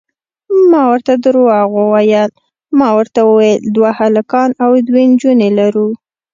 ما ورته درواغ وویل، ما ورته وویل دوه هلکان او دوې نجونې لرو.